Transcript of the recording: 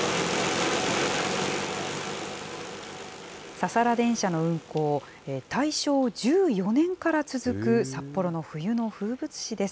ササラ電車の運行、大正１４年から続く札幌の冬の風物詩です。